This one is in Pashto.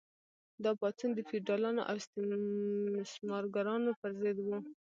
دا پاڅون د فیوډالانو او استثمارګرانو پر ضد و.